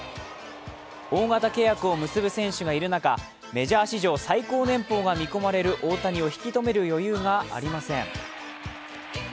大型契約を結ぶ選手がいる中、メジャー史上最高年俸が見込まれる大谷を引き止める余裕がありません。